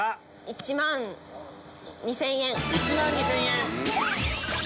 １万２０００円。